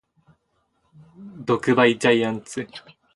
読売ジャイアンツ